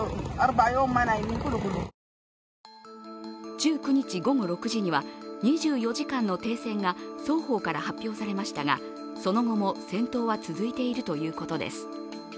１９日午後６時には２４時間の停戦が双方から発表されましたが、その後も戦闘は続いているということです。